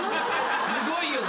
すごいよ